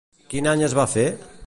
Quin any es va fer?